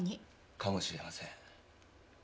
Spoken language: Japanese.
かもしれません。